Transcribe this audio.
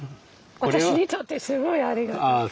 私にとってすごいありがたい。